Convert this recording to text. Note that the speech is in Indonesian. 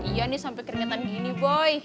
iya nih sampai keringetan gini boy